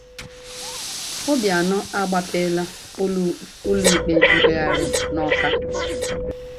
Obianọ Agbapeela Ụlọ Ikpe Mkpegharị n'Awka